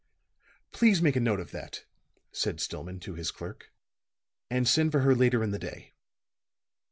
"Please make a note of that," said Stillman to his clerk. "And send for her later in the day."